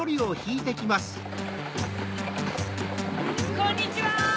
こんにちは！